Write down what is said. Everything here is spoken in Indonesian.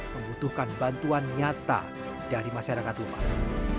membutuhkan bantuan nyata dari masyarakat luas